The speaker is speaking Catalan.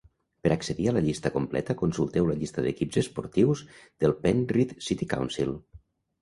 Per accedir a la llista completa, consulteu la llista d'equips esportius del Penrith City Council.